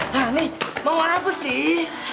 hani mau warapu sih